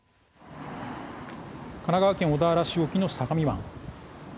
神奈川県小田原市沖の相模湾。